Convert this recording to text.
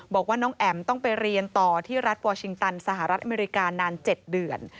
บอกว่าน้องแอ๋มต้องไปเรียนต่อที่รัฐวอร์ชิงตันสหรัฐอเมริกานาน๗เดือน